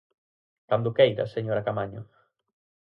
Cando queira, señora Caamaño.